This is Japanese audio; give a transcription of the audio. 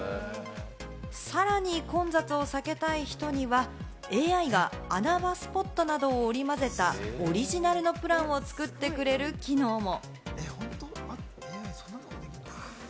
さらに混雑を避けたい人にはＡＩが穴場スポットなどを織り交ぜたオリジナルのプランを作ってくれる機能も。